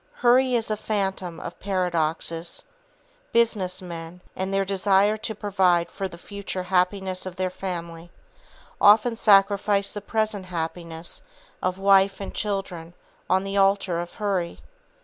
Hurry is a phantom of paradoxes. Business men, in their desire to provide for the future happiness of their family, often sacrifice the present happiness of wife and children on the altar of Hurry.